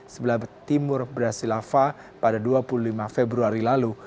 sebelah timur brazilava pada dua puluh lima februari lalu